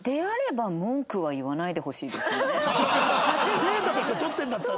データとして取ってんだったら。